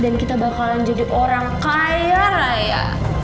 nggak kalian jadi orang kaya raya